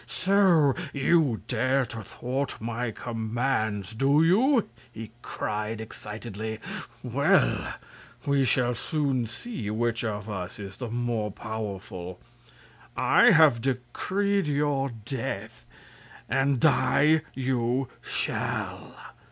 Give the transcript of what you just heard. "So you dare to thwart my commands, do you!" he cried, excitedly. "Well, we shall soon see which of us is the more powerful. I have decreed your death and die you shall!"